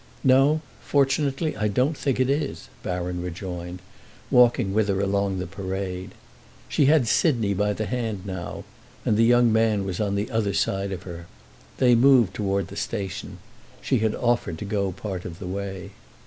"No, fortunately, I don't think it is," Baron rejoined, walking with her along the Parade. She had Sidney by the hand now, and the young man was on the other side of her. They moved toward the station—she had offered to go part of the way.